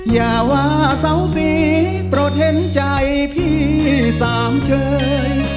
อย่าว่าเสาสีโปรดเห็นใจพี่สามเชย